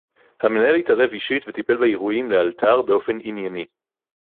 המנהל התערב אישית וטיפל באירועים לאלתר באופן ענייני